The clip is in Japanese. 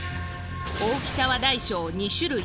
大きさは大小２種類。